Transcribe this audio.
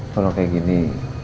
kalau kayak gini